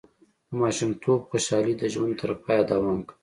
د ماشومتوب خوشحالي د ژوند تر پایه دوام کوي.